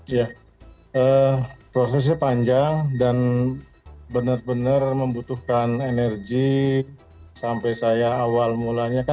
iya prosesnya panjang dan benar benar membutuhkan energi sampai saya awal mulanya kan